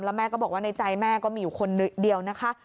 แล้วแม่ก็บอกว่าในใจแม่ก็มีอยู่คนเดียวนะคะ